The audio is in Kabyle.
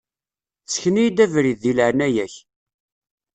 Ssken-iyi-d abrid, deg leεnaya-k.